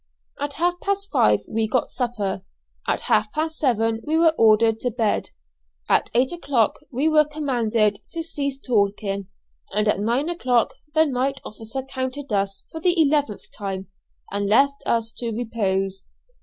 At half past five we got supper, and at half past seven we were ordered to bed. At eight o'clock we were commanded to cease talking, and at nine o'clock the night officer counted us for the eleventh time and left us to repose.